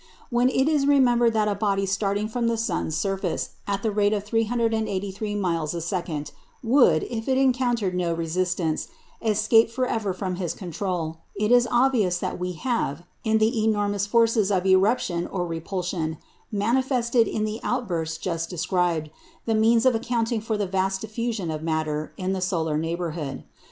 When it is remembered that a body starting from the sun's surface at the rate of 383 miles a second would, if it encountered no resistance, escape for ever from his control, it is obvious that we have, in the enormous forces of eruption or repulsion manifested in the outbursts just described, the means of accounting for the vast diffusion of matter in the solar neighbourhood.